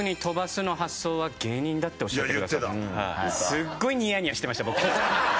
すっごいニヤニヤしてました僕。